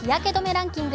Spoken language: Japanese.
ランキング